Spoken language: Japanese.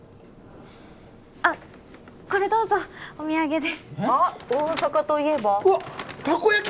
あっこれどうぞお土産ですあっ大阪といえばわったこ焼き